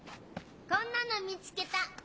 こんなの見つけた。